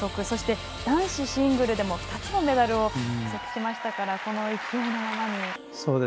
そして男子シングルでも２つのメダルを獲得しましたからこの勢いのままに。